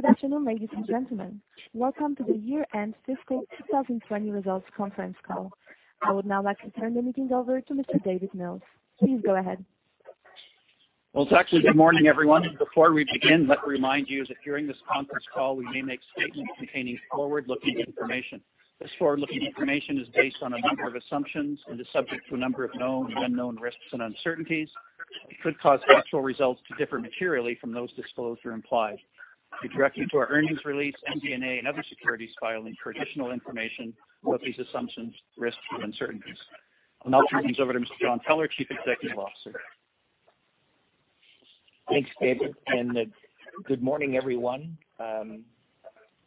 Good afternoon, ladies and gentlemen. Welcome to the year-end fiscal 2020 results conference call. I would now like to turn the meeting over to Mr. David Mills. Please go ahead. Well, it's actually good morning, everyone. Before we begin, let me remind you that during this conference call, we may make statements containing forward-looking information. This forward-looking information is based on a number of assumptions and is subject to a number of known and unknown risks and uncertainties that could cause actual results to differ materially from those disclosed or implied. We direct you to our earnings release, MD&A, and other securities filing for additional information about these assumptions, risks, and uncertainties. I'll now turn things over to Mr. John Peller, Chief Executive Officer. Thanks, David, and good morning, everyone. I'm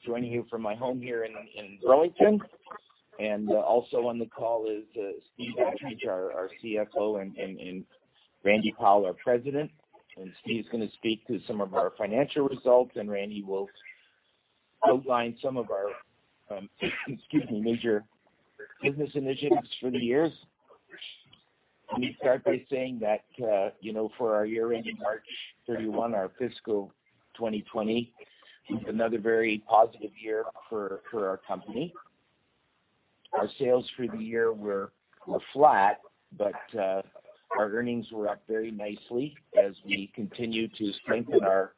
joining you from my home here in Burlington, and also on the call is Steve Attridge, our CFO, and Randy Powell, our President. Steve's going to speak to some of our financial results, and Randy will outline some of our, excuse me, major business initiatives for the years. Let me start by saying that for our year ending March 31, our fiscal 2020, it's another very positive year for our company. Our sales for the year were flat, but our earnings were up very nicely as we continue to strengthen our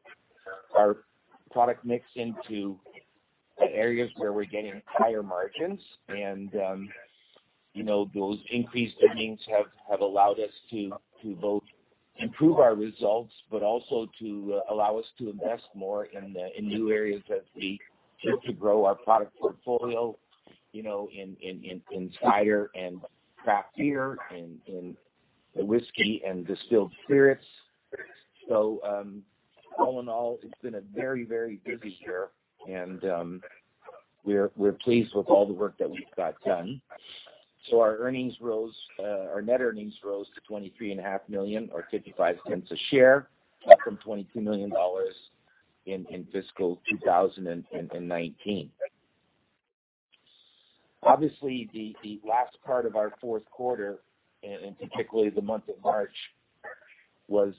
product mix into areas where we're getting higher margins. Those increased earnings have allowed us to both improve our results, but also to allow us to invest more in new areas as we look to grow our product portfolio in cider and craft beer and in whiskey and distilled spirits. All in all, it's been a very busy year, and we're pleased with all the work that we've got done. Our net earnings rose to 23.5 million, or 0.55 a share, up from 22 million dollars in fiscal 2019. Obviously, the last part of our fourth quarter, and particularly the month of March, was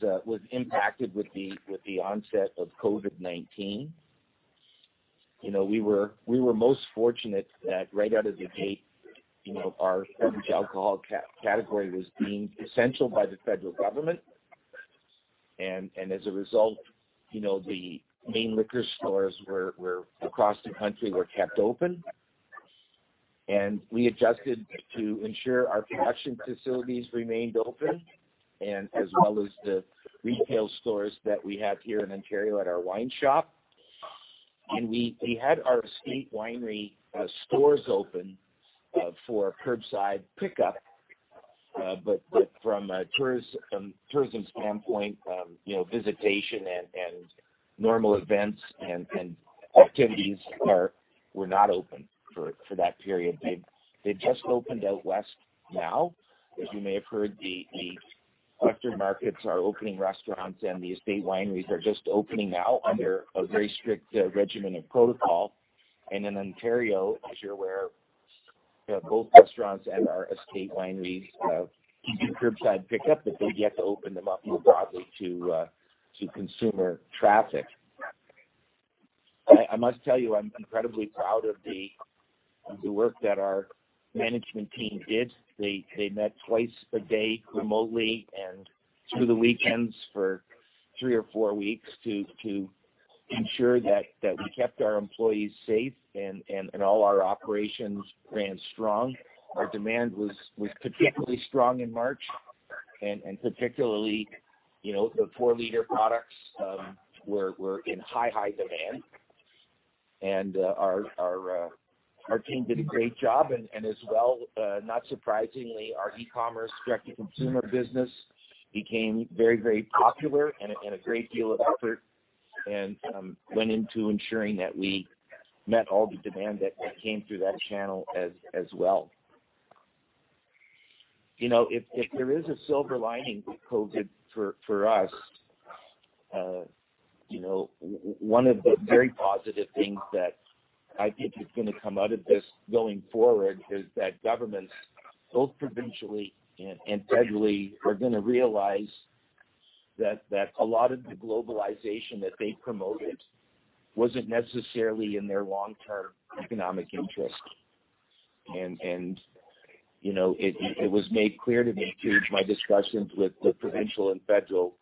impacted with the onset of COVID-19. We were most fortunate that right out of the gate, our beverage alcohol category was deemed essential by the federal government. As a result, the main liquor stores across the country were kept open, and we adjusted to ensure our production facilities remained open, and as well as the retail stores that we have here in Ontario at our The Wine Shop. We had our estate winery stores open for curbside pickup, but from a tourism standpoint, visitation and normal events and activities were not open for that period. They've just opened out west now. As you may have heard, the western markets are opening restaurants, and the estate wineries are just opening now under a very strict regimen of protocol. In Ontario, as you're aware, both restaurants and our estate wineries do curbside pickup, but they've yet to open them up more broadly to consumer traffic. I must tell you, I'm incredibly proud of the work that our management team did. They met twice a day remotely and through the weekends for three or four weeks to ensure that we kept our employees safe and all our operations ran strong. Our demand was particularly strong in March, and particularly, the 4-liter products were in high demand. Our team did a great job, and as well, not surprisingly, our e-commerce direct-to-consumer business became very popular, and a great deal of effort went into ensuring that we met all the demand that came through that channel as well. If there is a silver lining with COVID for us, one of the very positive things that I think is going to come out of this going forward is that governments, both provincially and federally, are going to realize that a lot of the globalization that they promoted wasn't necessarily in their long-term economic interest. It was made clear to me through my discussions with provincial and federal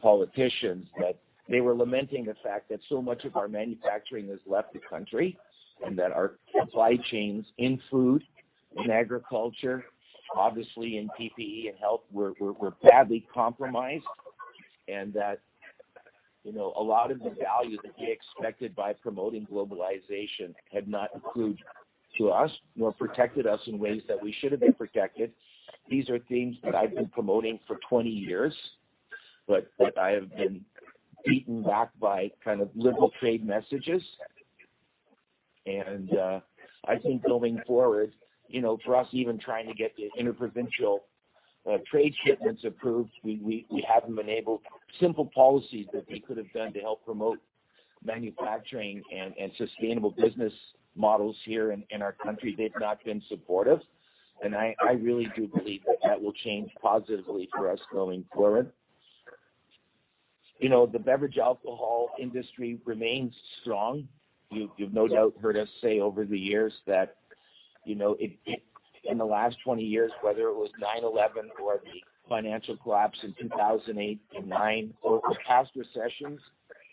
politicians that they were lamenting the fact that so much of our manufacturing has left the country and that our supply chains in food and agriculture, obviously in PPE and health, were badly compromised, and that a lot of the value that we expected by promoting globalization had not accrued to us nor protected us in ways that we should have been protected. These are themes that I've been promoting for 20 years, that I have been beaten back by kind of liberal trade messages. I think going forward, for us even trying to get the interprovincial trade shipments approved, we haven't been able. Simple policies that they could have done to help promote manufacturing and sustainable business models here in our country, they've not been supportive. I really do believe that that will change positively for us going forward. The beverage alcohol industry remains strong. You've no doubt heard us say over the years that in the last 20 years, whether it was 9/11 or the financial collapse in 2008 and 2009, or past recessions,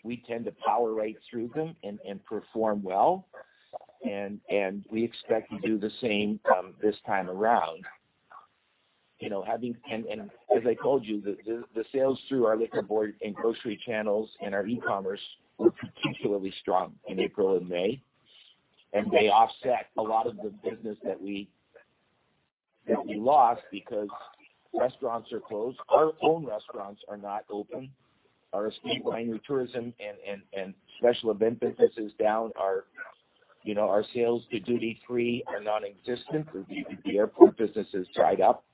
we tend to power right through them and perform well, and we expect to do the same this time around. As I told you, the sales through our liquor board and grocery channels and our e-commerce were particularly strong in April and May, and they offset a lot of the business that we lost because restaurants are closed. Our own restaurants are not open. Our estate winery tourism and special event business is down. Our sales to duty-free are nonexistent. The airport business is tied up.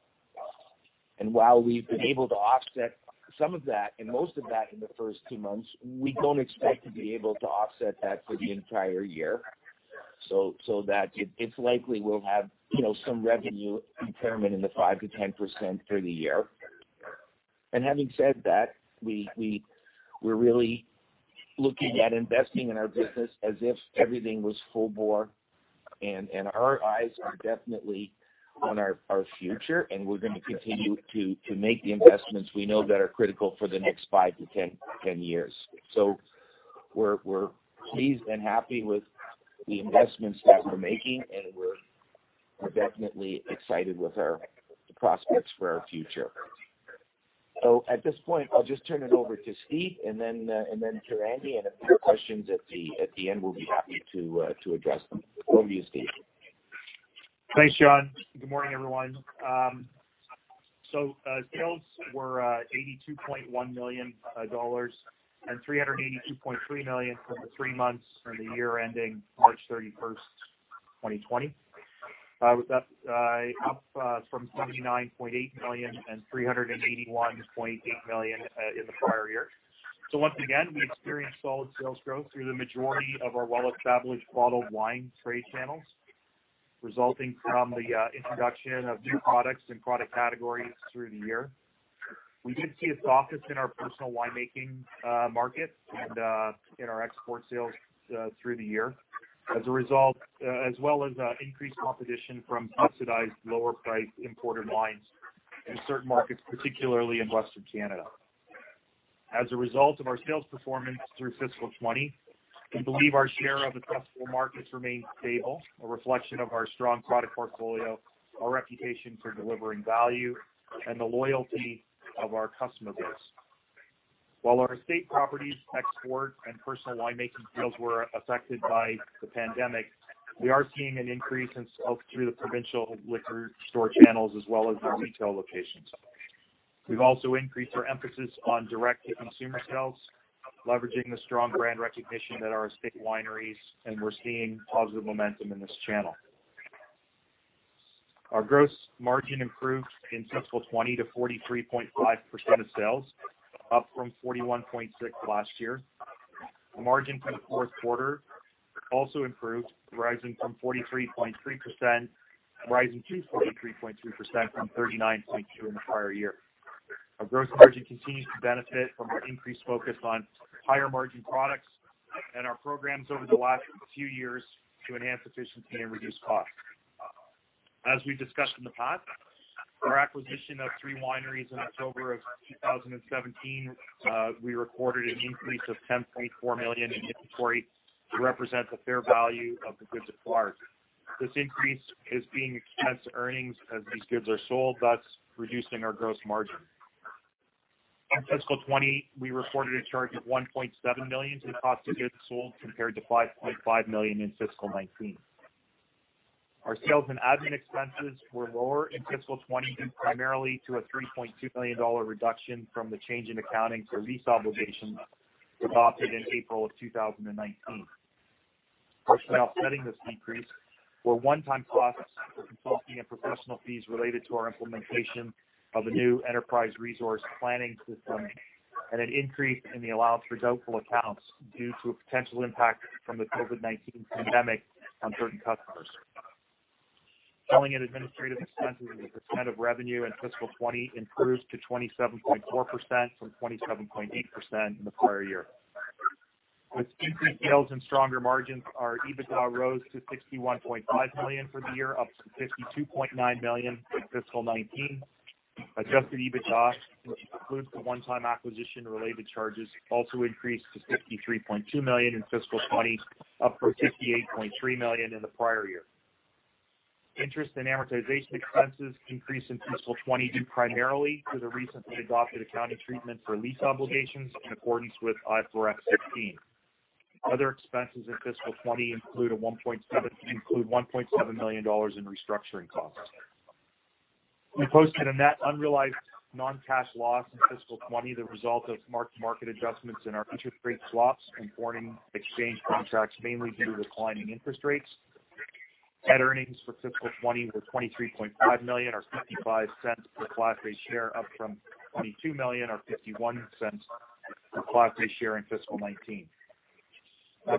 While we've been able to offset some of that, and most of that in the first two months, we don't expect to be able to offset that for the entire year, so that it's likely we'll have some revenue impairment in the 5%-10% for the year. Having said that, we're really looking at investing in our business as if everything was full bore, and our eyes are definitely on our future, and we're going to continue to make the investments we know that are critical for the next 5-10 years. We're pleased and happy with the investments that we're making, and we're definitely excited with our prospects for our future. At this point, I'll just turn it over to Steve, and then to Randy, and if there are questions at the end, we'll be happy to address them. Over to you, Steve. Thanks, John. Good morning, everyone. Sales were 82.1 million dollars and 382.3 million for the three months for the year ending March 31st, 2020. That's up from 79.8 million and 381.8 million in the prior year. Once again, we experienced solid sales growth through the majority of our well-established bottled wine trade channels, resulting from the introduction of new products and product categories through the year. We did see a softness in our personal winemaking market and in our export sales through the year, as well as increased competition from subsidized lower priced imported wines in certain markets, particularly in Western Canada. As a result of our sales performance through fiscal 2020, we believe our share of addressable markets remains stable, a reflection of our strong product portfolio, our reputation for delivering value, and the loyalty of our customer base. While our estate properties, export, and personal winemaking sales were affected by the pandemic, we are seeing an increase in sales through the provincial liquor store channels as well as our retail locations. We've also increased our emphasis on direct-to-consumer sales, leveraging the strong brand recognition at our estate wineries, and we're seeing positive momentum in this channel. Our gross margin improved in fiscal 2020 to 43.5% of sales, up from 41.6% last year. Margin for the fourth quarter also improved, rising to 43.2% from 39.2% in the prior year. Our gross margin continues to benefit from our increased focus on higher margin products and our programs over the last few years to enhance efficiency and reduce costs. As we discussed in the past, our acquisition of three wineries in October of 2017, we recorded an increase of 10.4 million in inventory to represent the fair value of the goods acquired. This increase is being against earnings as these goods are sold, thus reducing our gross margin. In fiscal 2020, we reported a charge of 1.7 million to cost of goods sold compared to 5.5 million in fiscal 2019. Our sales and admin expenses were lower in fiscal 2020, due primarily to a 3.2 million dollar reduction from the change in accounting for lease obligations adopted in April of 2019. Partially offsetting this decrease were one-time costs for consulting and professional fees related to our implementation of a new enterprise resource planning system and an increase in the allowance for doubtful accounts due to a potential impact from the COVID-19 pandemic on certain customers. Selling and administrative expenses as a percent of revenue in fiscal 2020 improved to 27.4% from 27.8% in the prior year. With increased sales and stronger margins, our EBITDA rose to 61.5 million for the year, up from 52.9 million in fiscal 2019. Adjusted EBITDA, which includes the one-time acquisition related charges, also increased to 53.2 million in fiscal 2020, up from 58.3 million in the prior year. Interest and amortization expenses increased in fiscal 2020, due primarily to the recently adopted accounting treatment for lease obligations in accordance with IFRS 16. Other expenses in fiscal 2020 include 1.7 million dollars in restructuring costs. We posted a net unrealized non-cash loss in fiscal 2020, the result of marked-to-market adjustments in our interest rate swaps and foreign exchange contracts, mainly due to declining interest rates. Net earnings for fiscal 2020 was 23.5 million or 0.55 per class A share, up from 22 million or 0.51 per class A share in fiscal 2019.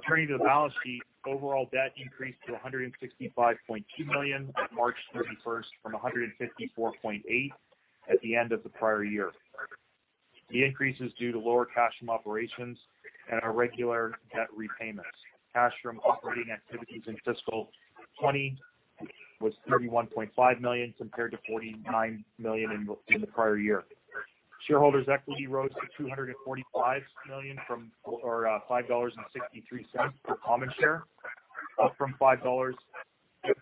Turning to the balance sheet, overall debt increased to 165.2 million on March 31st from 154.8 million at the end of the prior year. The increase is due to lower cash from operations and our regular debt repayments. Cash from operating activities in fiscal 2020 was 31.5 million compared to 49 million in the prior year. Shareholders' equity rose to 245 million or 5.63 dollars per common share, up from 5.31 dollars per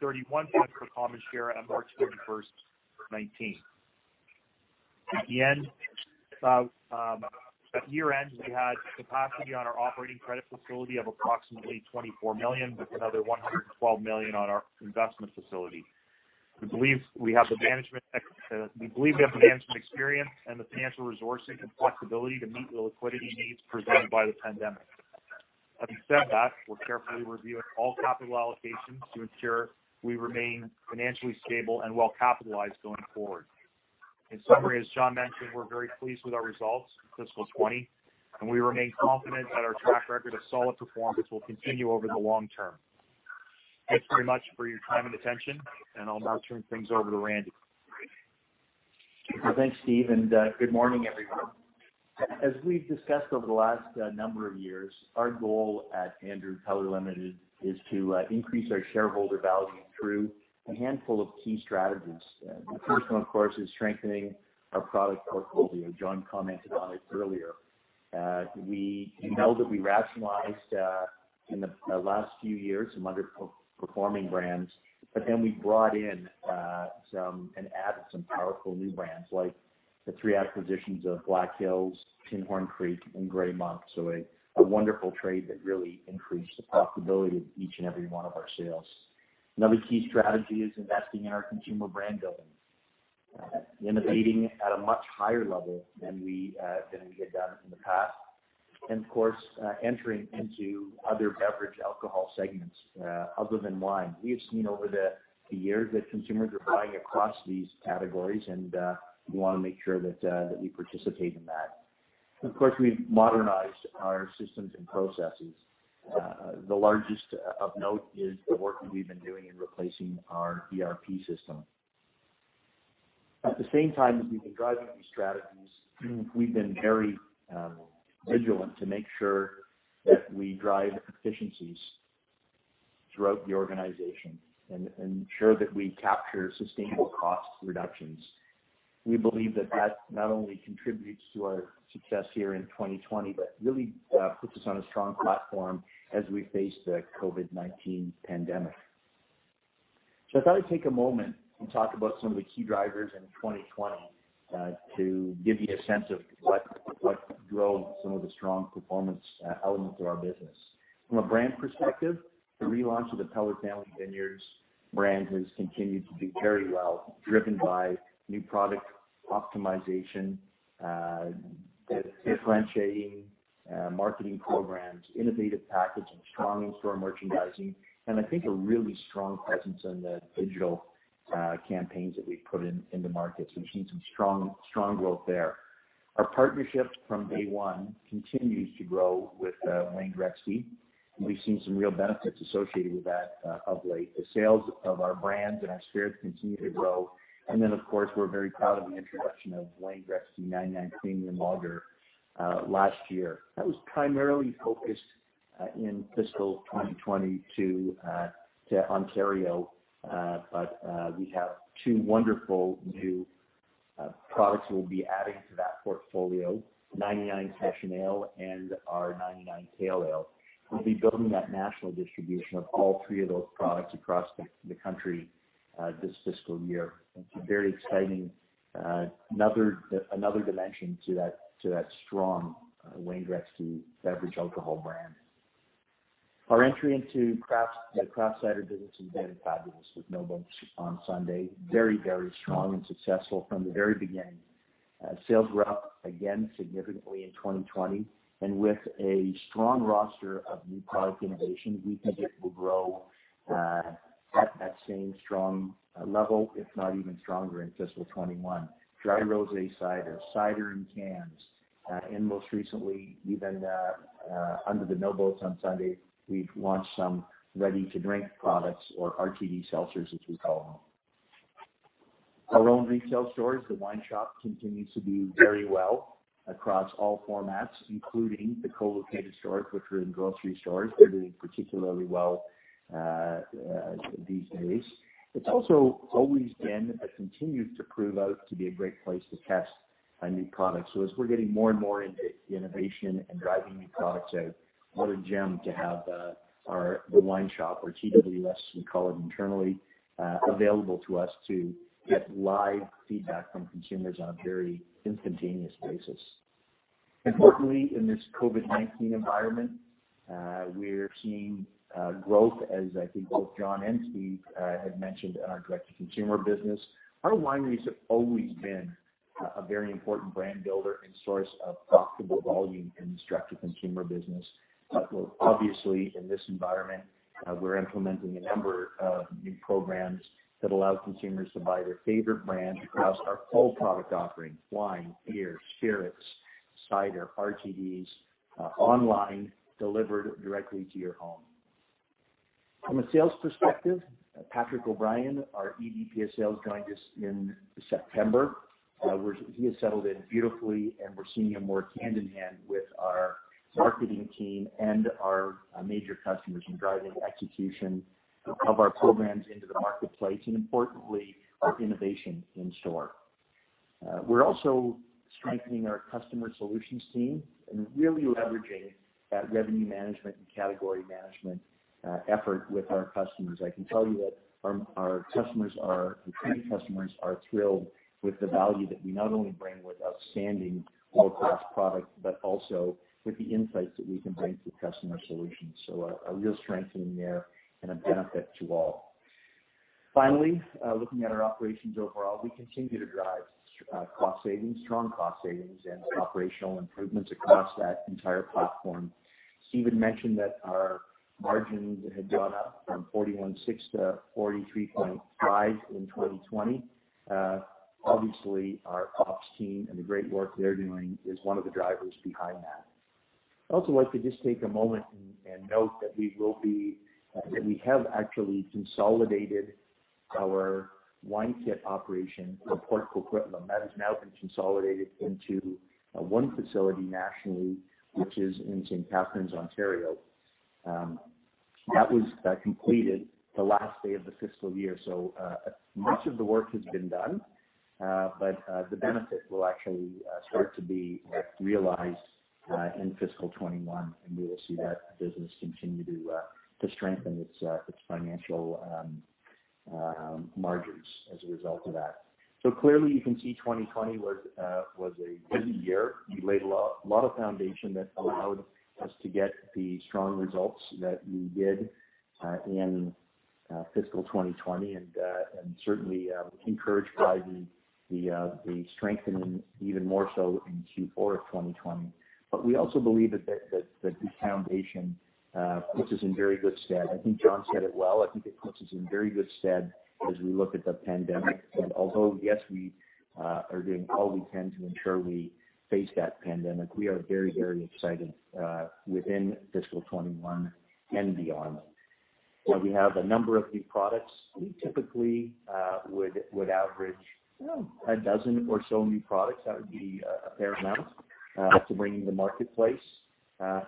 common share on March 31st, 2019. At year-end, we had capacity on our operating credit facility of approximately 24 million, with another 112 million on our investment facility. We believe we have the management experience and the financial resources and flexibility to meet the liquidity needs presented by the pandemic. Having said that, we're carefully reviewing all capital allocations to ensure we remain financially stable and well capitalized going forward. In summary, as John mentioned, we're very pleased with our results in fiscal 2020, and we remain confident that our track record of solid performance will continue over the long term. Thanks very much for your time and attention, and I'll now turn things over to Randy. Thanks, Steve. Good morning, everyone. As we've discussed over the last number of years, our goal at Andrew Peller Limited is to increase our shareholder value through a handful of key strategies. The first one, of course, is strengthening our product portfolio. John commented on it earlier. You know that we rationalized in the last few years some underperforming brands, but then we brought in and added some powerful new brands, like the three acquisitions of Black Hills, Tinhorn Creek, and Gray Monk. A wonderful trade that really increased the profitability of each and every one of our sales. Another key strategy is investing in our consumer brand building, innovating at a much higher level than we had done in the past. Of course, entering into other beverage alcohol segments other than wine. We have seen over the years that consumers are buying across these categories, and we want to make sure that we participate in that. Of course, we've modernized our systems and processes. The largest of note is the work that we've been doing in replacing our ERP system. At the same time as we've been driving these strategies, we've been very vigilant to make sure that we drive efficiencies throughout the organization and ensure that we capture sustainable cost reductions. We believe that that not only contributes to our success here in 2020, but really puts us on a strong platform as we face the COVID-19 pandemic. I thought I'd take a moment and talk about some of the key drivers in 2020 to give you a sense of what drove some of the strong performance elements of our business. From a brand perspective, the relaunch of the Peller Family Vineyards brand has continued to do very well, driven by new product optimization, differentiating marketing programs, innovative packaging, strong in-store merchandising, and I think a really strong presence in the digital campaigns that we've put in the market. We've seen some strong growth there. Our partnership from day one continues to grow with Wayne Gretzky. We've seen some real benefits associated with that of late. The sales of our brands and our spirits continue to grow. Of course, we're very proud of the introduction of Wayne Gretzky 99 Premium Lager last year. That was primarily focused in fiscal 2020 to Ontario. We have two wonderful new products we'll be adding to that portfolio, 99 Session Ale and our 99 Pale Ale. We'll be building that national distribution of all three of those products across the country this fiscal year. It's very exciting. Another dimension to that strong Wayne Gretzky beverage alcohol brand. Our entry into the craft cider business with No Boats on Sunday, very strong and successful from the very beginning. Sales were up again significantly in 2020, and with a strong roster of new product innovation, we think it will grow at that same strong level, if not even stronger in fiscal 2021. Dry rose cider in cans, and most recently, even under the No Boats on Sunday, we've launched some ready-to-drink products or RTD seltzers, as we call them. Our own retail stores, The Wine Shop, continues to do very well across all formats, including the co-located stores, which are in grocery stores. They're doing particularly well these days. It's also always been and continues to prove out to be a great place to test our new products. As we're getting more and more into innovation and driving new products out, what a gem to have The Wine Shop or TWS, we call it internally, available to us to get live feedback from consumers on a very instantaneous basis. Importantly, in this COVID-19 environment, we're seeing growth as I think both John and Steve had mentioned in our direct-to-consumer business. Our wineries have always been a very important brand builder and source of profitable volume in the structured consumer business. Obviously, in this environment, we're implementing a number of new programs that allow consumers to buy their favorite brand across our full product offering, wine, beer, spirits, cider, RTDs, online, delivered directly to your home. From a sales perspective, Patrick O'Brien, our EVP of sales, joined us in September. He has settled in beautifully. We're seeing him work hand-in-hand with our marketing team and our major customers in driving execution of our programs into the marketplace, importantly, our innovation in store. We're also strengthening our customer solutions team and really leveraging that revenue management and category management effort with our customers. I can tell you that our key customers are thrilled with the value that we not only bring with outstanding world-class products, but also with the insights that we can bring through customer solutions. A real strengthening there and a benefit to all. Finally, looking at our operations overall, we continue to drive strong cost savings and operational improvements across that entire platform. Steve mentioned that our margins had gone up from 41.6% to 43.5% in 2020. Obviously, our ops team and the great work they're doing is one of the drivers behind that. I'd also like to just take a moment and note that we have actually consolidated our wine kit operation for Port Coquitlam. That has now been consolidated into one facility nationally, which is in St. Catharines, Ontario. That was completed the last day of the fiscal year. Much of the work has been done, but the benefit will actually start to be realized in fiscal 2021, and we will see that business continue to strengthen its financial margins as a result of that. Clearly you can see 2020 was a busy year. We laid a lot of foundation that allowed us to get the strong results that we did in fiscal 2020, and certainly encouraged by the strengthening even more so in Q4 of 2020. We also believe that the foundation puts us in very good stead. I think John said it well. I think it puts us in very good stead as we look at the pandemic. Although, yes, we are doing all we can to ensure we face that pandemic, we are very excited within fiscal 2021 and beyond. We have a number of new products. We typically would average 12 or so new products. That would be a fair amount to bring in the marketplace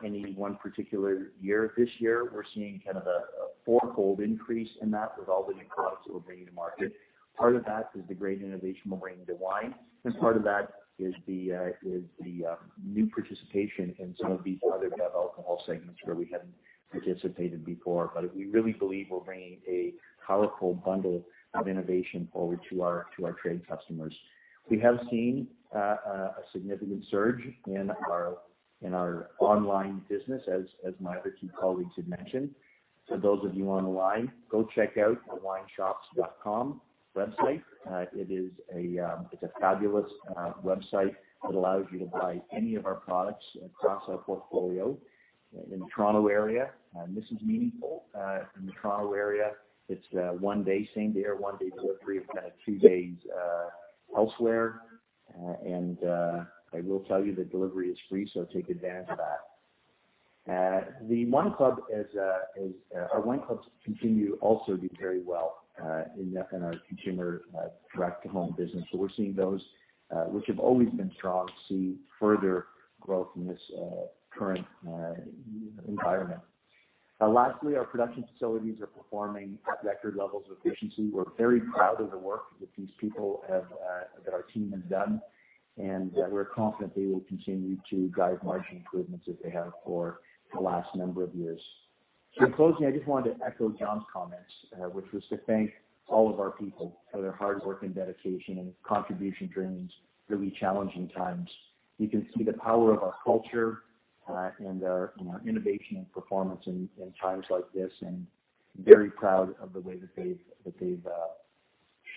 any one particular year. This year, we're seeing kind of a fourfold increase in that with all the new products that we're bringing to market. Part of that is the great innovation we're bringing to wine, and part of that is the new participation in some of these other alcohol segments where we hadn't participated before. We really believe we're bringing a powerful bundle of innovation forward to our trade customers. We have seen a significant surge in our online business, as my other two colleagues had mentioned. For those of you online, go check out thewineshops.com website. It's a fabulous website that allows you to buy any of our products across our portfolio in the Toronto area. This is meaningful. In the Toronto area, it's same day or one-day delivery. It's kind of two days elsewhere. I will tell you that delivery is free, so take advantage of that. Our wine clubs continue to also do very well in our consumer direct-to-home business. We're seeing those which have always been strong, see further growth in this current environment. Lastly, our production facilities are performing at record levels of efficiency. We're very proud of the work that our team has done, and we're confident they will continue to drive margin improvements as they have for the last number of years. In closing, I just wanted to echo John's comments, which was to thank all of our people for their hard work and dedication and contribution during these really challenging times. You can see the power of our culture and our innovation and performance in times like this, and very proud of the way that they've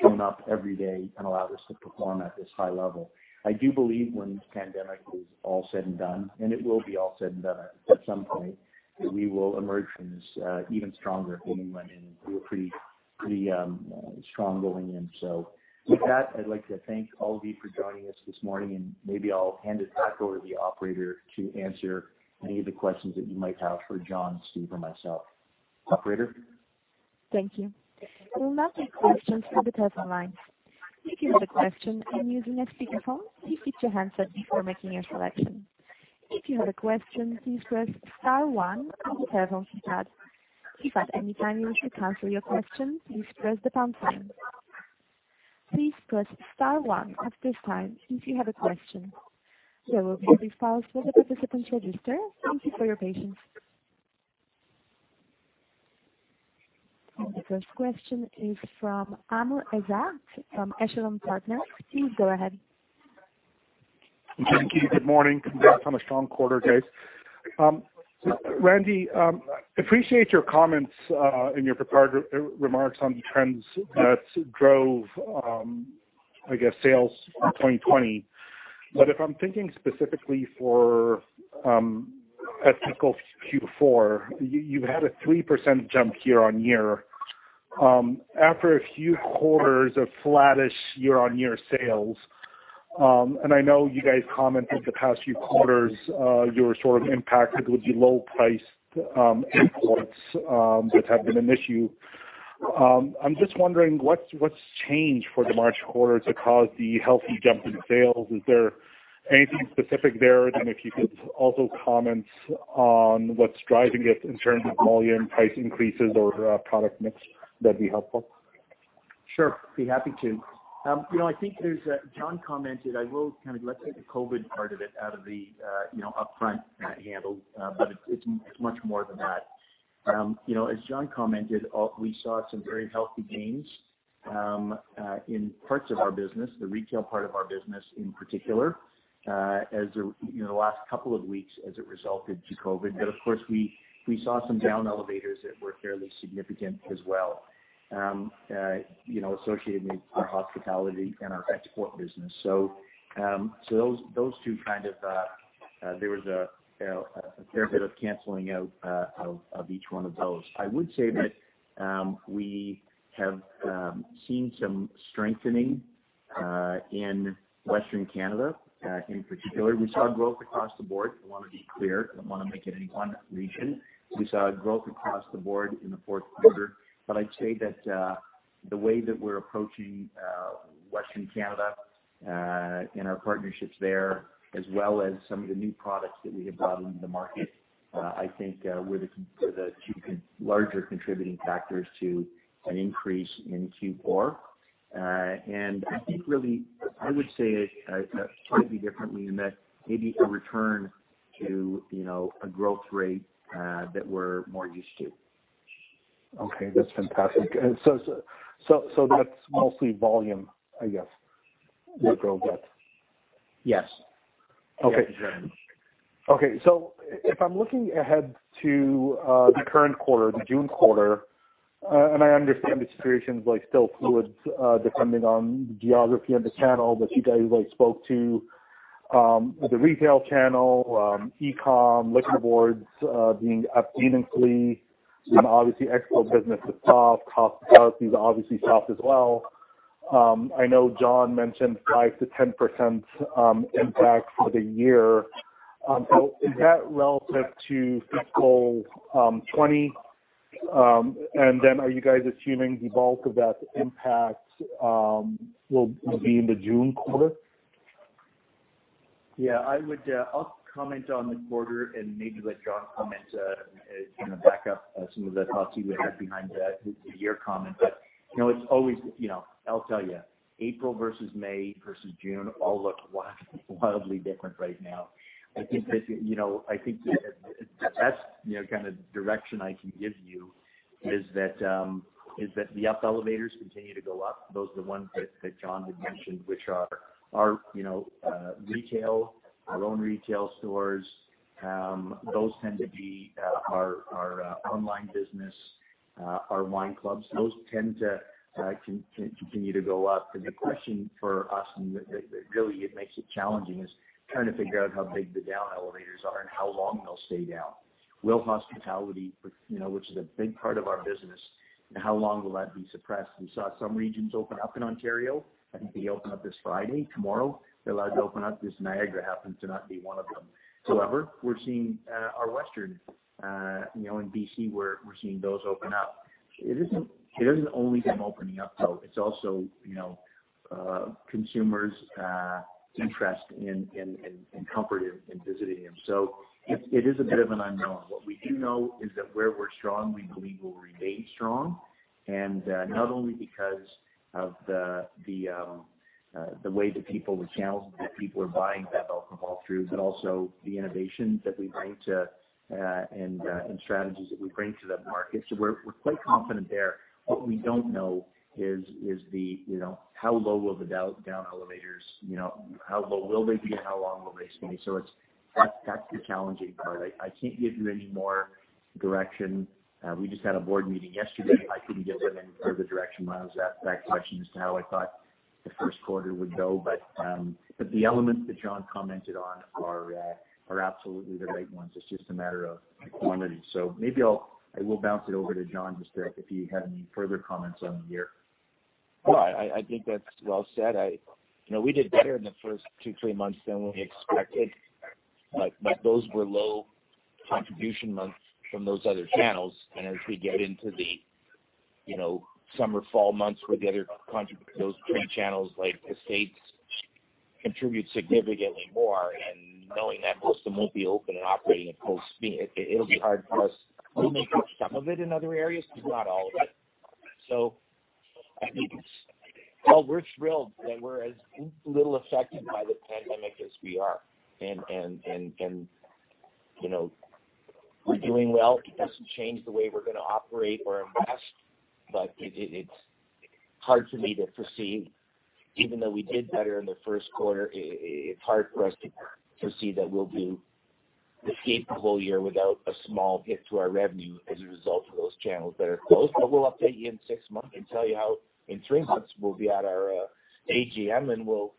shown up every day and allowed us to perform at this high level. I do believe when this pandemic is all said and done, and it will be all said and done at some point, we will emerge from this even stronger, having went in pretty strong going in. With that, I'd like to thank all of you for joining us this morning, and maybe I'll hand it back over to the Operator to answer any of the questions that you might have for John, Steve, or myself. Operator? Thank you. We'll now take questions through the telephone lines. If you have a question and using a speakerphone, please mute your handset before making your selection. If you have a question, please press star one on your telephone keypad. If at any time you wish to cancel your question, please press the pound sign. Please press star one at this time if you have a question. We'll give it a few seconds for the participant register. Thank you for your patience. The first question is from Amr Ezzat from Echelon Partners. Please go ahead. Thank you. Good morning. Congrats on a strong quarter, guys. Randy, appreciate your comments in your prepared remarks on the trends that drove, I guess, sales in 2020. If I'm thinking specifically for fiscal Q4, you've had a 3% jump year-over-year, after a few quarters of flattish year-over-year sales. I know you guys commented the past few quarters, you were sort of impacted with the low price imports that have been an issue. I'm just wondering what's changed for the March quarter to cause the healthy jump in sales. Is there anything specific there? If you could also comment on what's driving it in terms of volume, price increases or product mix, that'd be helpful. Sure, be happy to. I think John commented, I will kind of let the COVID-19 part of it out of the upfront handle. It's much more than that. As John commented, we saw some very healthy gains in parts of our business, the retail part of our business in particular, in the last couple of weeks as it related to COVID-19. Of course, we saw some down elevators that were fairly significant as well associated with our hospitality and our export business. There was a fair bit of canceling out of each one of those. I would say that we have seen some strengthening in Western Canada. In particular, we saw growth across the board. I want to be clear. I don't want to make it any one region. We saw growth across the board in the fourth quarter. I'd say that the way that we're approaching Western Canada and our partnerships there, as well as some of the new products that we have brought into the market, I think were the two larger contributing factors to an increase in Q4. I think really, I would say it slightly differently in that maybe a return to a growth rate that we're more used to. Okay. That's fantastic. That's mostly volume, I guess, your growth at? Yes. Okay. If I'm looking ahead to the current quarter, the June quarter, and I understand the situation's still fluid, depending on geography and the channel, but you guys spoke to the retail channel, e-com, liquor boards being up meaningfully, obviously export business is soft. Hospitality is obviously soft as well. I know John mentioned 5%-10% impact for the year. Is that relative to fiscal 2020? Are you guys assuming the bulk of that impact will be in the June quarter? I'll comment on the quarter and maybe let John comment, kind of back up some of the thoughts he would have behind your comment. I'll tell you, April versus May versus June all look wildly different right now. I think the best kind of direction I can give you is that the up elevators continue to go up. Those are the ones that John had mentioned, which are our own retail stores. Those tend to be our online business, our wine clubs. Those tend to continue to go up. The question for us, and really it makes it challenging, is trying to figure out how big the down elevators are and how long they'll stay down. Will hospitality, which is a big part of our business, and how long will that be suppressed? We saw some regions open up in Ontario. I think they open up this Friday. Tomorrow they're allowed to open up, just Niagara happens to not be one of them. We're seeing our Western in BC, we're seeing those open up. It isn't only them opening up, though. It's also consumers' interest and comfort in visiting them. It is a bit of an unknown. What we do know is that where we're strong, we believe we'll remain strong, and not only because of the way the channels that people are buying that alcohol through, but also the innovations that we bring to, and strategies that we bring to that market. We're quite confident there. What we don't know is how low will the down elevators be and how long will they stay. That's the challenging part. I can't give you any more direction. We just had a board meeting yesterday. I couldn't give them any further direction when I was asked that question as to how I thought the first quarter would go. The elements that John commented on are absolutely the right ones. It's just a matter of the quantity. Maybe I will bounce it over to John, just if he had any further comments on the year. No, I think that's well said. We did better in the first two, three months than we expected. Those were low contribution months from those other channels, and as we get into the summer, fall months where those three channels, like the estates, contribute significantly more, and knowing that most of them won't be open and operating at full speed, it'll be hard for us. We'll make up some of it in other areas, but not all of it. I think well, we're thrilled that we're as little affected by the pandemic as we are. We're doing well. It doesn't change the way we're going to operate or invest, but it's hard for me to foresee, even though we did better in the first quarter, it's hard for us to foresee that we'll do the same full year without a small hit to our revenue as a result of those channels that are closed. We'll update you in six months. In three months, we'll be at our AGM, and we'll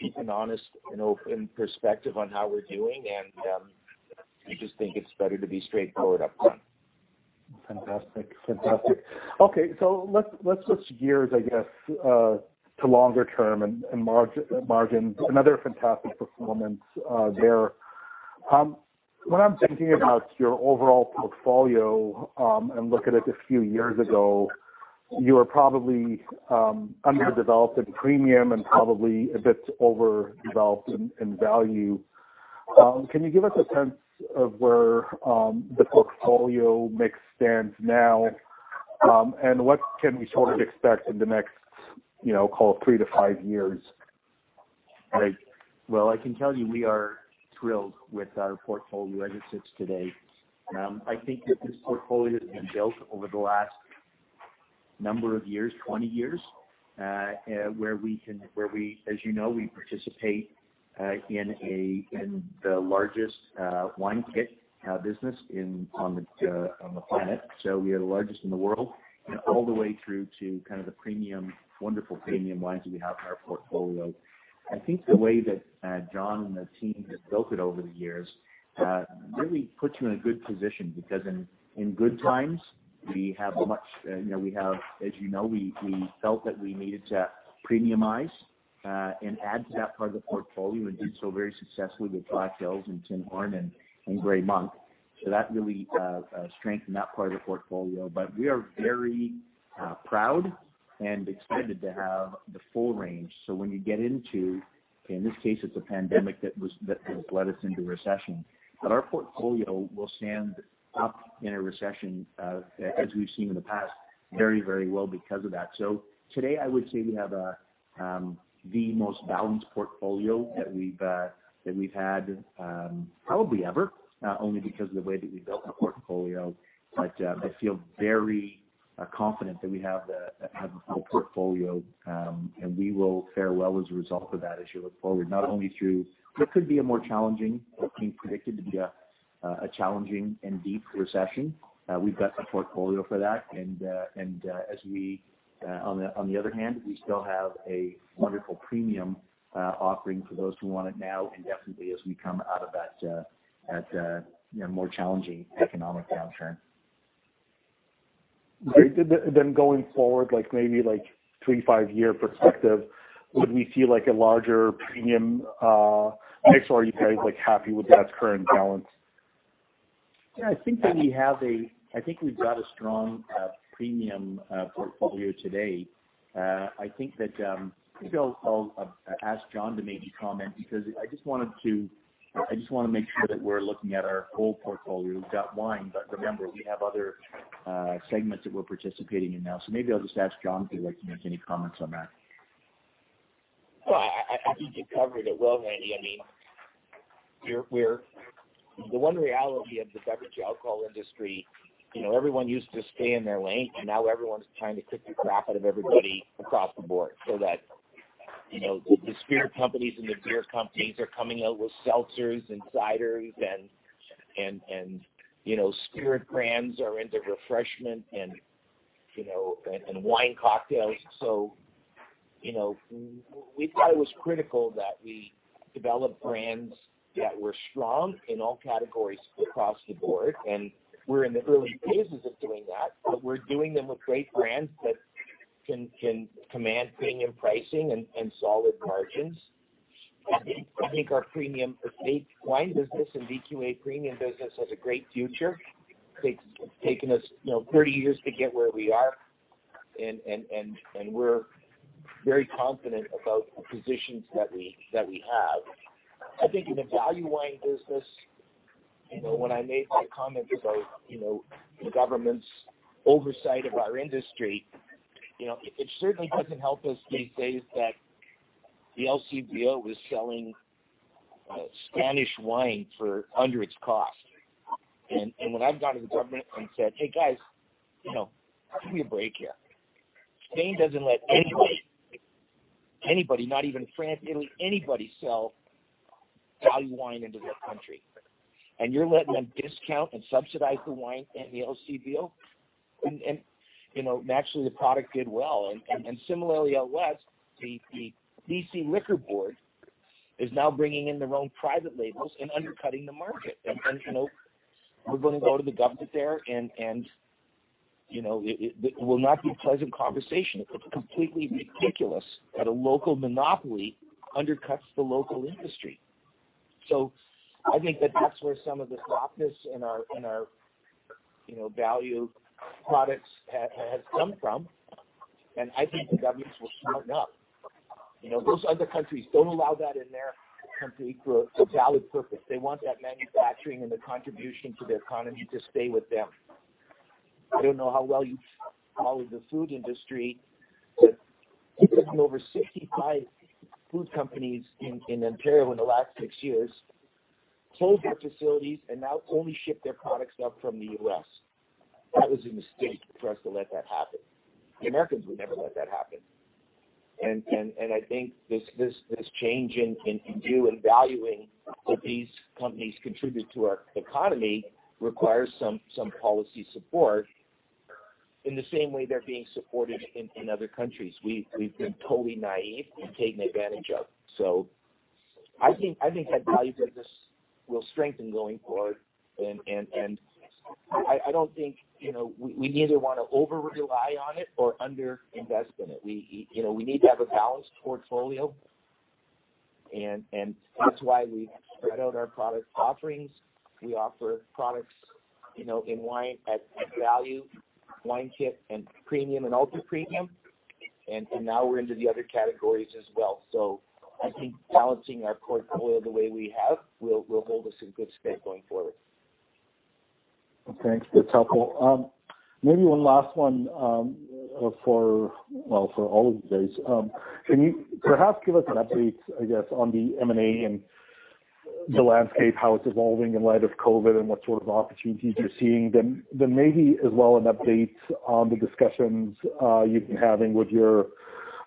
keep an honest and open perspective on how we're doing. I just think it's better to be straightforward upfront. Fantastic. Okay, let's switch gears, I guess, to longer term and margins. Another fantastic performance there. When I'm thinking about your overall portfolio, and look at it a few years ago, you were probably underdeveloped at premium and probably a bit overdeveloped in value. Can you give us a sense of where the portfolio mix stands now? What can we sort of expect in the next call it three to five years? Well, I can tell you we are thrilled with our portfolio as it sits today. I think that this portfolio has been built over the last number of years, 20 years, where we, as you know, we participate in the largest wine kit business on the planet. We are the largest in the world, all the way through to kind of the wonderful premium wines that we have in our portfolio. I think the way that John and the team have built it over the years really puts you in a good position, because in good times, as you know, we felt that we needed to premiumize, and add to that part of the portfolio, and did so very successfully with Black Hills and Tinhorn and Gray Monk. That really strengthened that part of the portfolio. We are very proud and excited to have the full range. When you get into, in this case, it's a pandemic that has led us into recession, but our portfolio will stand up in a recession, as we've seen in the past, very well because of that. Today, I would say we have the most balanced portfolio that we've had probably ever, only because of the way that we built the portfolio. I feel very confident that we have a full portfolio, and we will fare well as a result of that as you look forward, not only through what could be a more challenging, what's being predicted to be a challenging and deep recession. We've got the portfolio for that. On the other hand, we still have a wonderful premium offering for those who want it now and definitely as we come out of that more challenging economic downturn. Great. Going forward, maybe three, five year perspective, would we see a larger premium mix, or are you guys happy with that current balance? Yeah, I think we've got a strong premium portfolio today. I think I'll ask John to maybe comment because I just want to make sure that we're looking at our whole portfolio. Remember, we have other segments that we're participating in now. Maybe I'll just ask John if he'd like to make any comments on that. Well, I think you covered it well, Randy. The one reality of the beverage alcohol industry, everyone used to stay in their lane, and now everyone's trying to kick the crap out of everybody across the board so that the spirit companies and the beer companies are coming out with seltzers and ciders and spirit brands are into refreshment and wine cocktails. We thought it was critical that we develop brands that were strong in all categories across the board, and we're in the early phases of doing that. We're doing them with great brands that can command premium pricing and solid margins. I think our premium estate wine business and VQA premium business has a great future. It's taken us 30 years to get where we are, and we're very confident about the positions that we have. I think in the value wine business, when I made my comments about the government's oversight of our industry, it certainly doesn't help us these days that the LCBO is selling Spanish wine for under its cost. When I've gone to the government and said, "Hey, guys give me a break here." Spain doesn't let anybody, not even France, Italy, anybody sell value wine into their country. You're letting them discount and subsidize the wine at the LCBO? Naturally, the product did well. Similarly, out west, the BC Liquor Board is now bringing in their own private labels and undercutting the market. We're going to go to the government there, and it will not be a pleasant conversation. It's completely ridiculous that a local monopoly undercuts the local industry. I think that that's where some of the softness in our value products has come from, and I think the governments will smarten up. Those other countries don't allow that in their country for a valid purpose. They want that manufacturing and the contribution to their economy to stay with them. I don't know how well you follow the food industry, but over 65 food companies in Ontario in the last six years closed their facilities and now only ship their products up from the U.S. That was a mistake for us to let that happen. The Americans would never let that happen. I think this change in view and valuing what these companies contribute to our economy requires some policy support in the same way they're being supported in other countries. We've been totally naive and taken advantage of. I think that value business will strengthen going forward, and I don't think we neither want to over-rely on it or under-invest in it. We need to have a balanced portfolio, and that's why we spread out our product offerings. We offer products in wine at value, wine kit, premium, and ultra premium. Now we're into the other categories as well. I think balancing our portfolio the way we have will hold us in good stead going forward. Okay. That's helpful. Maybe one last one, for all of you guys. Can you perhaps give us an update, I guess, on the M&A and the landscape, how it's evolving in light of COVID and what sort of opportunities you're seeing? Maybe as well an update on the discussions you've been having with your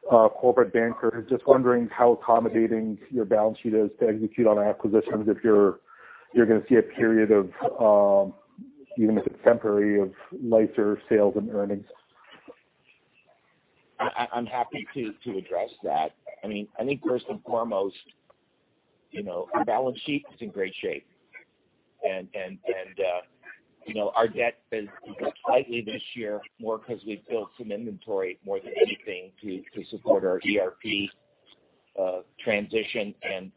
corporate bankers. Just wondering how accommodating your balance sheet is to execute on acquisitions if you're going to see a period of, even if it's temporary, of lighter sales and earnings. I'm happy to address that. I think first and foremost, our balance sheet is in great shape. Our debt has increased slightly this year, more because we've built some inventory more than anything to support our ERP transition and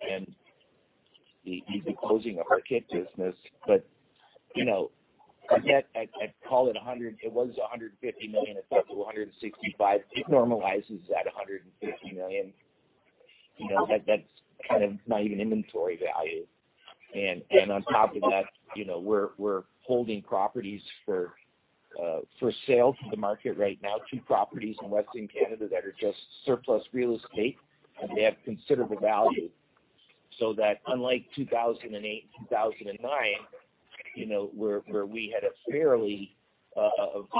the closing of our kit business. Our debt, I'd call it 100, it was 150 million. It's up to 165. It normalizes at 150 million. That's kind of not even inventory value. On top of that, we're holding properties for sale to the market right now, two properties in Western Canada that are just surplus real estate, and they have considerable value. That unlike 2008 and 2009, where we had a fairly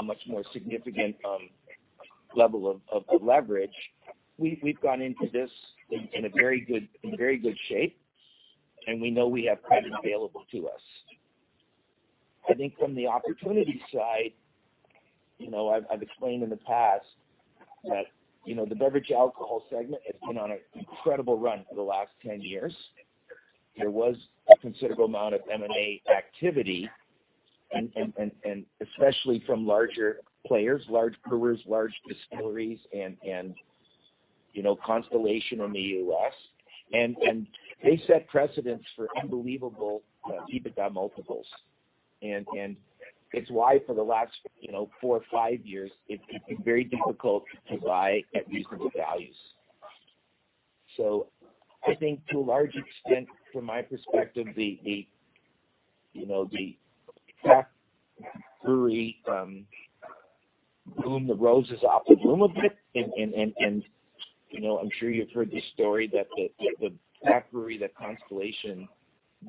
much more significant level of leverage, we've gone into this in very good shape, and we know we have credit available to us. I think from the opportunity side, I've explained in the past that the beverage alcohol segment has been on an incredible run for the last 10 years. There was a considerable amount of M&A activity, especially from larger players, large brewers, large distilleries, Constellation in the U.S. They set precedents for unbelievable EBITDA multiples. It's why for the last four or five years, it's been very difficult to buy at reasonable values. I think to a large extent, from my perspective, the craft brewery boom, the rose is off the bloom a bit. I'm sure you've heard this story, that the craft brewery that Constellation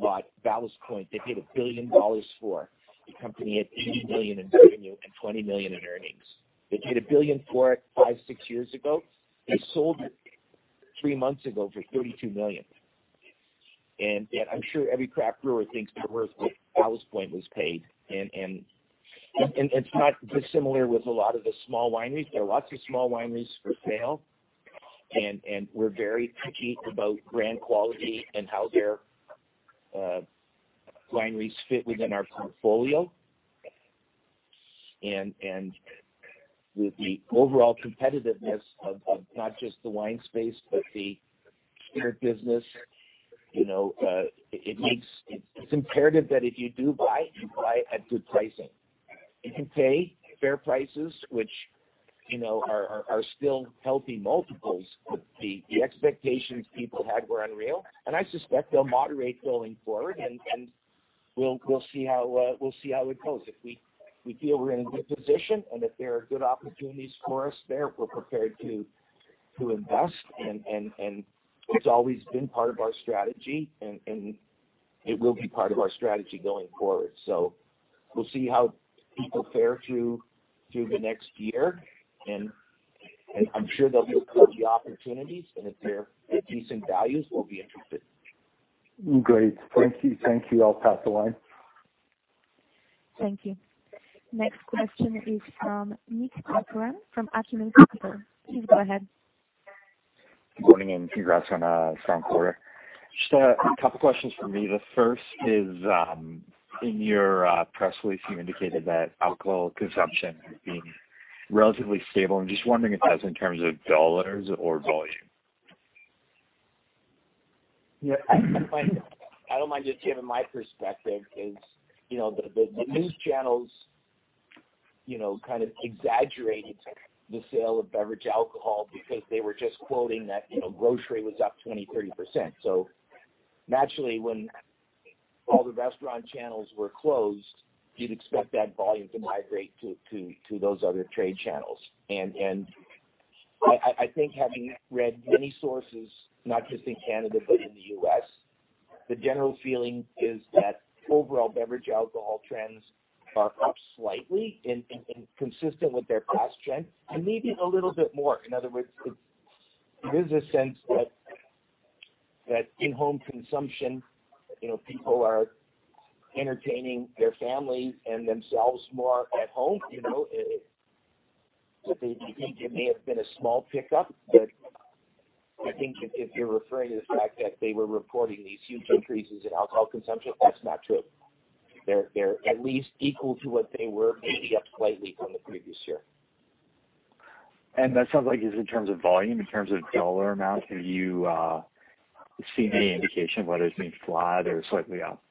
bought, Ballast Point, they paid 1 billion dollars for a company at 80 million in revenue and 20 million in earnings. They paid 1 billion for it five, six years ago. They sold it three months ago for 32 million. I'm sure every craft brewer thinks they're worth what Ballast Point was paid, and it's not dissimilar with a lot of the small wineries. There are lots of small wineries for sale, and we're very picky about brand quality and how their wineries fit within our portfolio. With the overall competitiveness of not just the wine space, but the spirit business, it's imperative that if you do buy, you buy at good pricing. You can pay fair prices, which are still healthy multiples, but the expectations people had were unreal, and I suspect they'll moderate going forward, and we'll see how it goes. If we feel we're in a good position and if there are good opportunities for us there, we're prepared to invest, and it's always been part of our strategy, and it will be part of our strategy going forward. We'll see how people fare through the next year, and I'm sure there'll be opportunities, and if they're at decent values, we'll be interested. Great. Thank you. I'll pass the line. Thank you. Next question is from Nick Corcoran from Acumen Capital. Please go ahead. Good morning, and congrats on a strong quarter. Just a couple questions from me. The first is, in your press release, you indicated that alcohol consumption had been relatively stable. I'm just wondering if that's in terms of dollars or volume. Yeah. I don't mind just giving my perspective, because the news channels kind of exaggerated the sale of beverage alcohol because they were just quoting that grocery was up 20%, 30%. Naturally when all the restaurant channels were closed, you'd expect that volume to migrate to those other trade channels. I think having read many sources, not just in Canada but in the U.S., the general feeling is that overall beverage alcohol trends are up slightly and consistent with their past trend, and maybe a little bit more. In other words, there's a sense that in-home consumption, people are entertaining their families and themselves more at home. That they think it may have been a small pickup. I think if you're referring to the fact that they were reporting these huge increases in alcohol consumption, that's not true. They're at least equal to what they were, maybe up slightly from the previous year. That sounds like it's in terms of volume. In terms of dollar amount, have you seen any indication whether it's been flat or slightly up?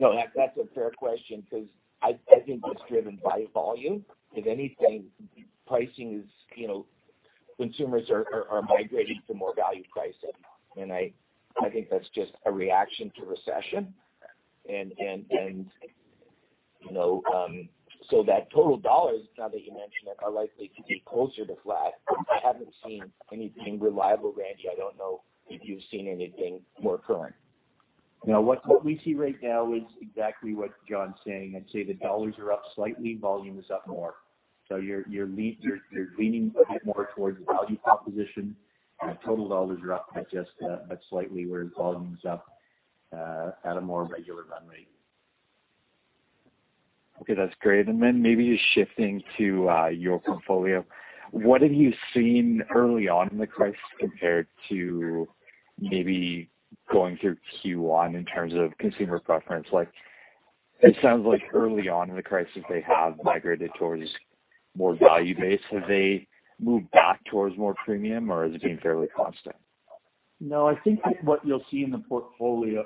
No, that's a fair question, because I think it's driven by volume. If anything, pricing is consumers are migrating to more value pricing. I think that's just a reaction to recession. That total dollars, now that you mention it, are likely to be closer to flat. I haven't seen anything reliable, Randy. I don't know if you've seen anything more current. What we see right now is exactly what John's saying. I'd say the dollars are up slightly, volume is up more. You're leaning a bit more towards the value proposition, and the total dollars are up, but slightly, whereas volume's up at a more regular run rate. Okay, that's great. Then maybe just shifting to your portfolio, what have you seen early on in the crisis compared to maybe going through Q1 in terms of consumer preference? It sounds like early on in the crisis, they have migrated towards more value-based. Have they moved back towards more premium, or has it been fairly constant? I think what you'll see in the portfolio,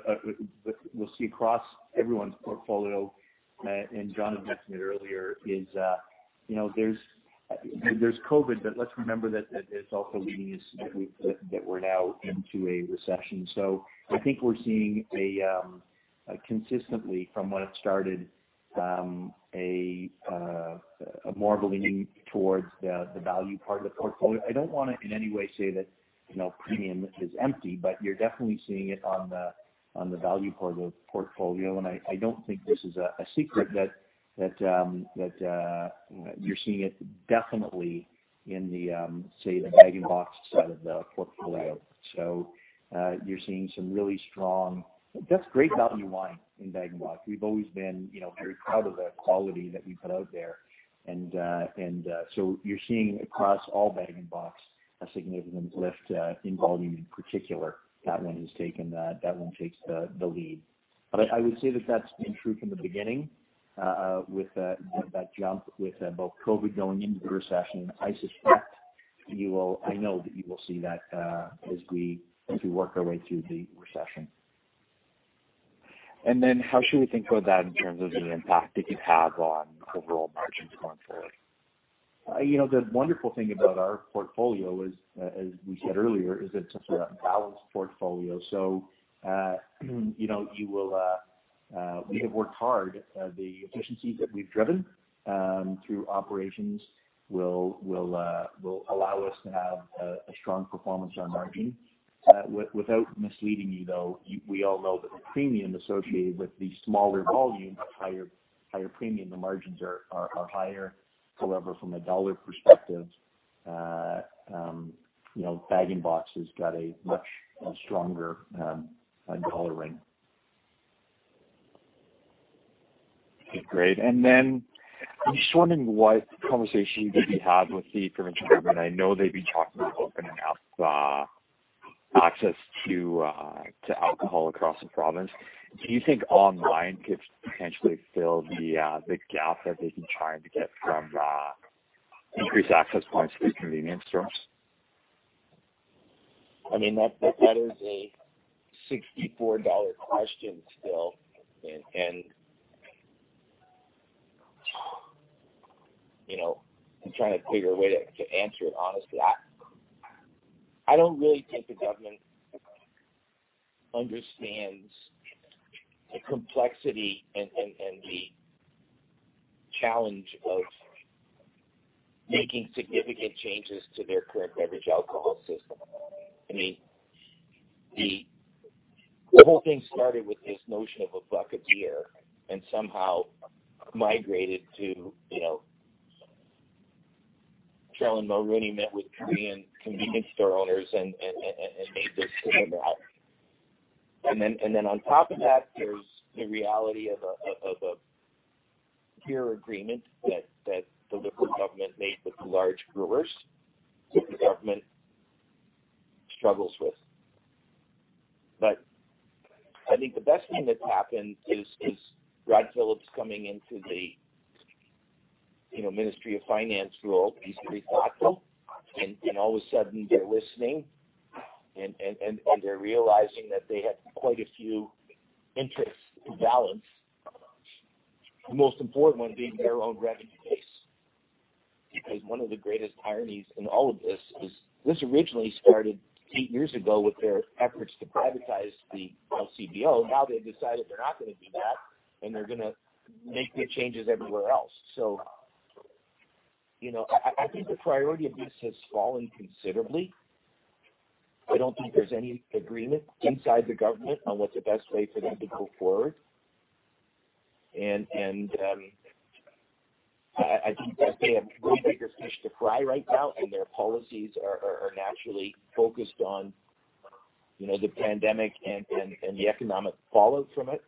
what we'll see across everyone's portfolio, and John had mentioned it earlier, is there's COVID, but let's remember that there's also leading us, that we're now into a recession. I think we're seeing consistently from when it started, more of a leaning towards the value part of the portfolio. I don't want to in any way say that premium is empty, but you're definitely seeing it on the value part of the portfolio, and I don't think this is a secret that you're seeing it definitely in the, say, the bag-in-box side of the portfolio. You're seeing some really strong Just great value wine in bag-in-box. We've always been very proud of the quality that we put out there. You're seeing across all bag-in-box a significant lift in volume in particular. That one takes the lead. I would say that's been true from the beginning with that jump with both COVID going into the recession. I suspect I know that you will see that as we work our way through the recession. How should we think about that in terms of the impact it could have on overall margins going forward? The wonderful thing about our portfolio is, as we said earlier, is it's a balanced portfolio. We have worked hard. The efficiencies that we've driven through operations will allow us to have a strong performance on margin. Without misleading you, though, we all know that the premium associated with the smaller volume, but higher premium, the margins are higher. However, from a dollar perspective, bag-in-box has got a much stronger dollar ring. Okay, great. I'm just wondering what conversations have you had with the provincial government? I know they've been talking about opening up access to alcohol across the province. Do you think online could potentially fill the gap that they've been trying to get from increased access points through convenience stores? That is a 64 question still, and I'm trying to figure a way to answer it honestly. I don't really think the government understands the complexity and the challenge of making significant changes to their current beverage alcohol system. The whole thing started with this notion of a buck a beer, and somehow migrated to Caroline Mulroney met with Korean convenience store owners and made this thing about. On top of that, there's the reality of a beer agreement that the Liberal government made with the large brewers, that the government struggles with. I think the best thing that's happened is Rod Phillips coming into the Ministry of Finance role. He's very thoughtful, and all of a sudden they're listening, and they're realizing that they have quite a few interests to balance. The most important one being their own revenue base. One of the greatest ironies in all of this is, this originally started eight years ago with their efforts to privatize the LCBO. They've decided they're not going to do that, and they're going to make the changes everywhere else. I think the priority of this has fallen considerably. I don't think there's any agreement inside the government on what the best way for them to go forward. I think that they have way bigger fish to fry right now, and their policies are naturally focused on the pandemic and the economic fallout from it,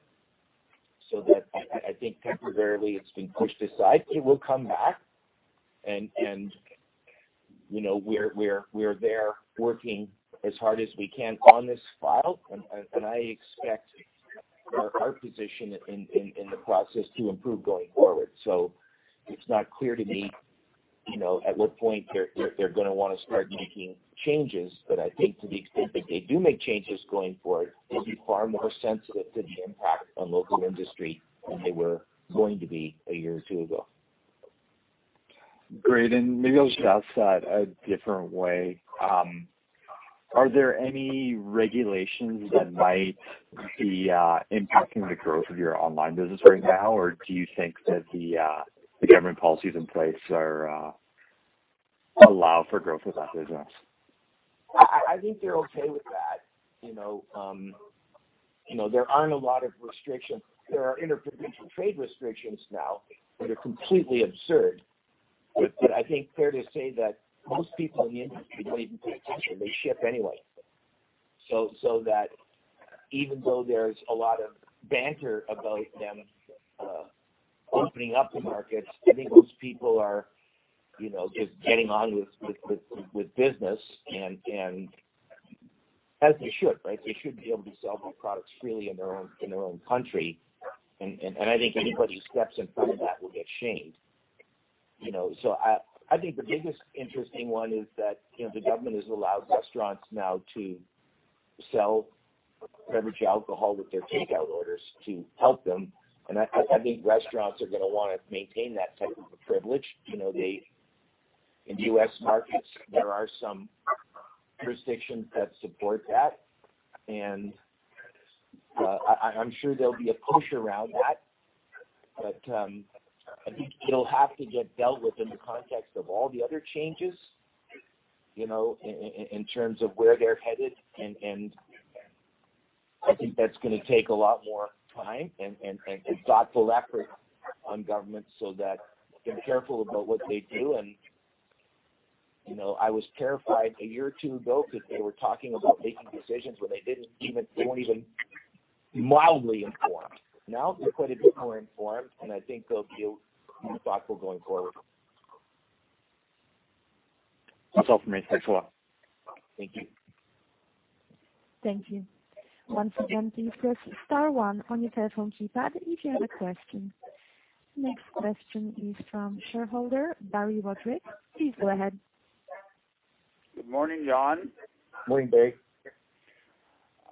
so that I think temporarily it's been pushed aside. It will come back and we're there working as hard as we can on this file, and I expect our position in the process to improve going forward. It's not clear to me at what point they're going to want to start making changes. I think to the extent that they do make changes going forward, they'll be far more sensitive to the impact on local industry than they were going to be a year or two ago. Great. Maybe I'll just ask that a different way. Are there any regulations that might be impacting the growth of your online business right now, or do you think that the government policies in place allow for growth of that business? I think they're okay with that. There aren't a lot of restrictions. There are inter-provincial trade restrictions now that are completely absurd, but I think fair to say that most people in the industry don't even pay attention. They ship anyway. That even though there's a lot of banter about them opening up the markets, I think most people are just getting on with business, and as they should, right? They should be able to sell their products freely in their own country. I think anybody who steps in front of that will get shamed. I think the biggest interesting one is that the government has allowed restaurants now to sell beverage alcohol with their takeout orders to help them, and I think restaurants are going to want to maintain that type of a privilege. In U.S. markets, there are some jurisdictions that support that, and I'm sure there'll be a push around that. I think it'll have to get dealt with in the context of all the other changes, in terms of where they're headed. I think that's going to take a lot more time and thoughtful effort on government so that they're careful about what they do. I was terrified a year or two ago because they were talking about making decisions where they weren't even mildly informed. Now they're quite a bit more informed, and I think they'll be thoughtful going forward. That's all for me. Thanks a lot. Thank you. Thank you. Once again, please press star one on your telephone keypad if you have a question. Next question is from shareholder Barry Roderick. Please go ahead. Good morning, John. Morning, Barry.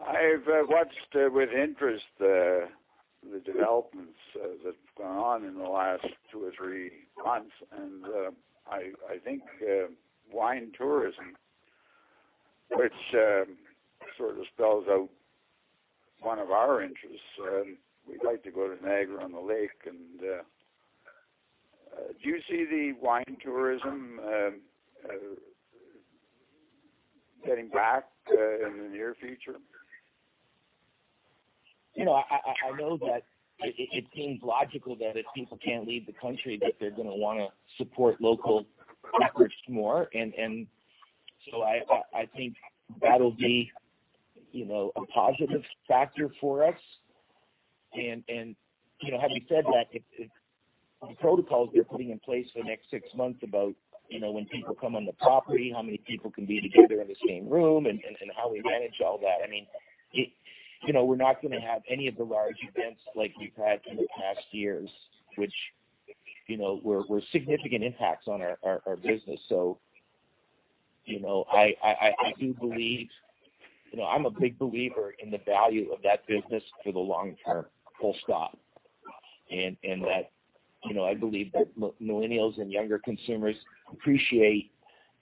I've watched with interest the developments that have gone on in the last two or three months. I think wine tourism, which sort of spells out one of our interests, and we like to go to Niagara-on-the-Lake. Do you see the wine tourism getting back in the near future? I know that it seems logical that if people can't leave the country, that they're going to want to support local efforts more. I think that'll be a positive factor for us, and having said that, the protocols they're putting in place for the next six months about when people come on the property, how many people can be together in the same room and how we manage all that. We're not going to have any of the large events like we've had in the past years, which were significant impacts on our business. I'm a big believer in the value of that business for the long term, full stop. I believe that millennials and younger consumers appreciate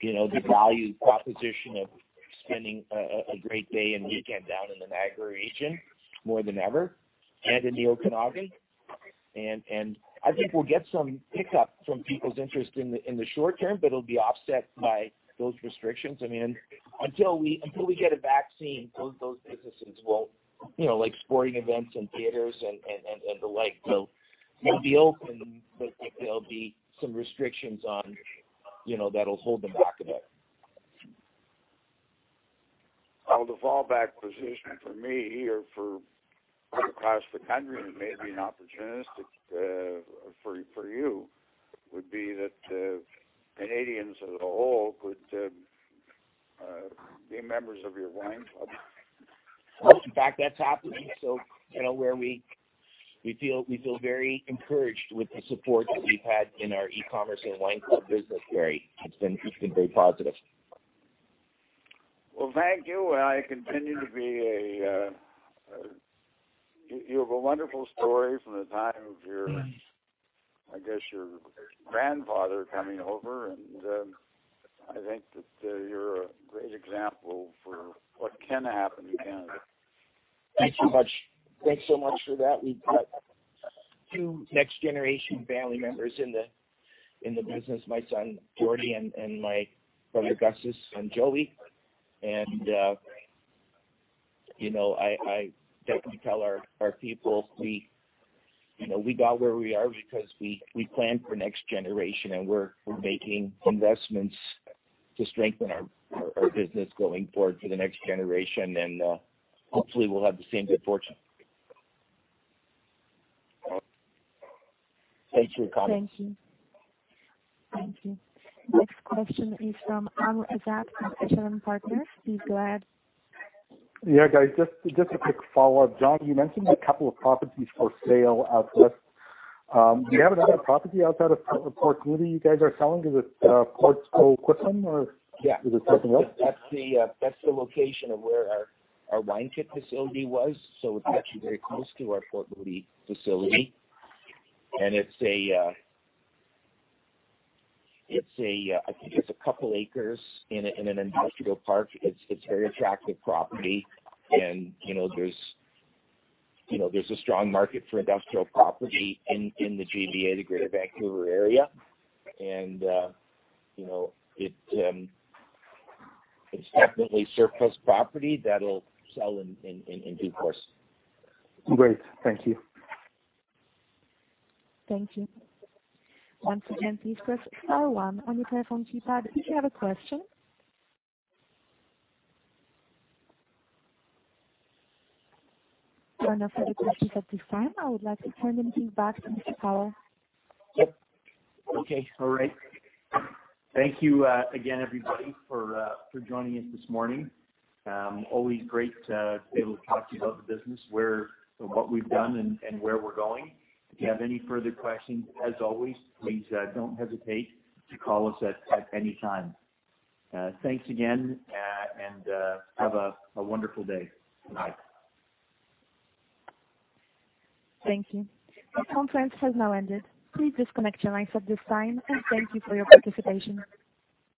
the value proposition of spending a great day and weekend down in the Niagara region more than ever, and in the Okanagan. I think we'll get some pickup from people's interest in the short term, but it'll be offset by those restrictions. Until we get a vaccine, those businesses, like sporting events and theaters and the like, they'll be open, but there'll be some restrictions on that'll hold them back a bit. Well, the fallback position for me or for across the country, and maybe an opportunistic for you, would be that Canadians as a whole could be members of your wine club. In fact, that's happening. We feel very encouraged with the support that we've had in our e-commerce and wine club business, Barry. It's been very positive. Well, thank you. You have a wonderful story from the time of your grandfather coming over, and I think that you're a great example of what can happen in Canada. Thanks so much for that. We've got two next-generation family members in the business, my son, Jordy, and my brother, Gus's son, Joey. I definitely tell our people we got where we are because we plan for the next generation, and we're making investments to strengthen our business going forward for the next generation. Hopefully, we'll have the same good fortune. Thanks for your comment. Thank you. Next question is from Amr Ezzat from Echelon Partners. Please go ahead. Yeah, guys, just a quick follow-up. John, you mentioned a couple of properties for sale out west. Do you have another property outside of Port Moody you guys are selling? Is it Port Coquitlam? Yeah is it something else? That's the location of where our wine kit facility was, so it's actually very close to our Port Moody facility. I think it's a couple of acres in an industrial park. It's a very attractive property, and there's a strong market for industrial property in the GVA, the Greater Vancouver area. It's definitely surplus property that'll sell in due course. Great. Thank you. Thank you. Once again, please press star 1 on your telephone keypad if you have a question. There are no further questions at this time. I would like to turn the meeting back to Mr. Peller. Okay. All right. Thank you again, everybody, for joining us this morning. Always great to be able to talk to you about the business, what we've done, and where we're going. If you have any further questions, as always, please don't hesitate to call us at any time. Thanks again, and have a wonderful day. Bye. Thank you. The conference has now ended. Please disconnect your lines at this time. Thank you for your participation.